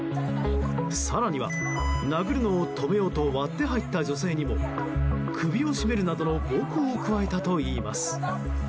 更には、殴るのを止めようと割って入った女性にも首を絞めるなどの暴行を加えたといいます。